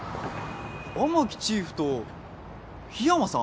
雨樹チーフと緋山さん？